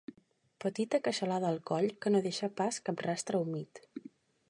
Petita queixalada al coll que no deixa pas cap rastre humit.